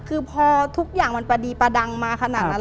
คือพอทุกอย่างมันประดีประดังมาขนาดนั้น